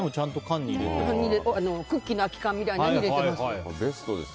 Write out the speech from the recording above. クッキーの空き缶みたいなのにそれベストです。